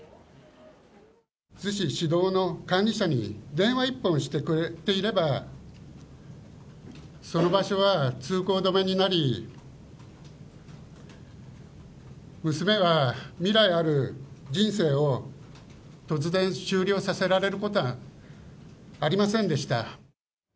逗子市道の管理者に、電話一本してくれていれば、その場所は通行止めになり、娘は未来ある人生を突然終了させられることはありませんでした。